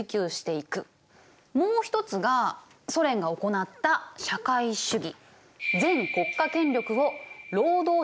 もう一つがソ連が行った社会主義。